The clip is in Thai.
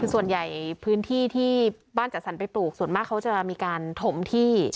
คือส่วนใหญ่พื้นที่ที่บ้านจัดสรรไปปลูกส่วนมากเขาจะมีการถมที่